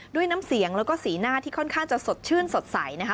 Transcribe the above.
ด้วยน้ำเสียงแล้วก็สีหน้าที่ค่อนข้างจะสดชื่นสดใสนะคะ